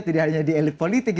tidak hanya di elit politik